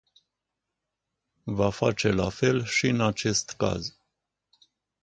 Va face la fel și în acest caz.